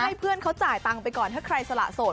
ให้เพื่อนเขาจ่ายตังค์ไปก่อนถ้าใครสละโสด